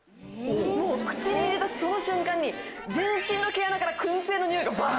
もう口に入れたその瞬間に全身の毛穴から燻製の匂いがバッ！